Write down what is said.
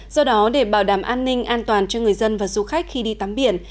do đó để bảo đảm an ninh an toàn cho người dân và du khách khi đi tắm biển